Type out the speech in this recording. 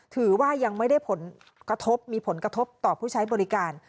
ถือว่ายังไม่ได้ผลกระทบมีผลกระทบต่อผู้ใช้บริการ